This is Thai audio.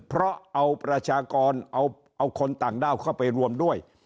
เพราะเอาประชากรเอาคนต่างด้าวเข้าไปรวมด้วย